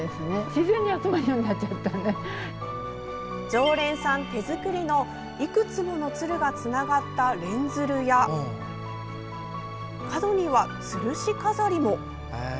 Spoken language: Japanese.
常連さん手作りのいくつもの鶴がつながった連鶴や角には、つるし飾りも。